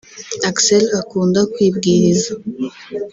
Axel akunda kwibwiriza